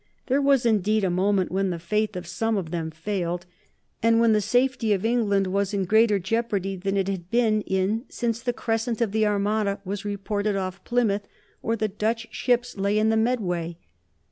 There was, indeed, a moment when the faith of some of them failed, and when the safety of England was in greater jeopardy than it had been in since the crescent of the Armada was reported off Plymouth or the Dutch ships lay in the Medway.